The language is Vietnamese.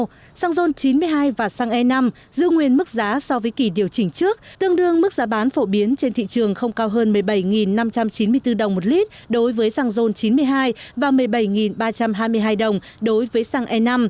giá xăng ron chín mươi hai và xăng e năm giữ nguyên mức giá so với kỳ điều chỉnh trước tương đương mức giá bán phổ biến trên thị trường không cao hơn một mươi bảy năm trăm chín mươi bốn đồng một lít đối với xăng ron chín mươi hai và một mươi bảy ba trăm hai mươi hai đồng đối với xăng e năm